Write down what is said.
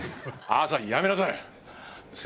朝陽やめなさい！